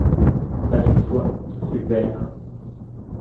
Pas cette fois, Fulbert.